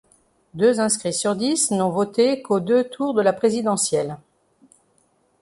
Deux inscrits sur dix n’ont voté qu’aux deux tours de la présidentielle.